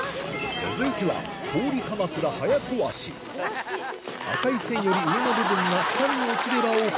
続いては赤い線より上の部分が下に落ちればＯＫ